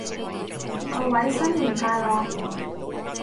各位新年快樂